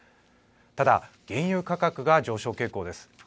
ただ、原油価格が上昇傾向です。